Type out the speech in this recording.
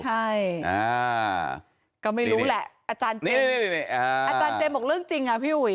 ใช่ก็ไม่รู้แหละอาจารย์เจมส์อาจารย์เจมส์บอกเรื่องจริงอ่ะพี่อุ๋ย